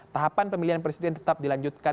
tahapan pemilihan presiden tetap dilanjutkan